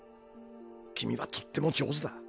君はとっても上手だ。